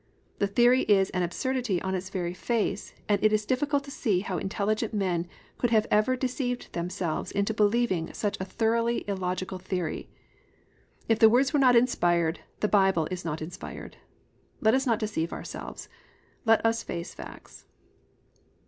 The theory is an absurdity on its very face, and it is difficult to see how intelligent men could have ever deceived themselves into believing such a thoroughly illogical theory. If the words are not inspired the Bible is not inspired. Let us not deceive ourselves; let us face facts.